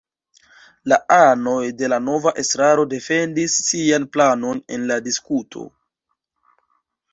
La anoj de la nova estraro defendis sian planon en la diskuto.